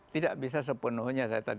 tidak bisa sepenuhnya